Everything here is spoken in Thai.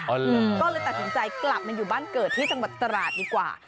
ก็เลยตัดสินใจกลับมาอยู่บ้านเกิดที่จังหวัดตราดดีกว่า